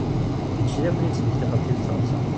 Eǧǧet-iyi ad ken-id-smektiɣ ɣef yiwet n tɣawsa.